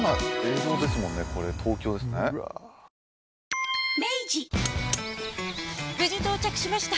ニトリ無事到着しました！